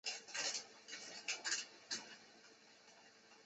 长子封隆之。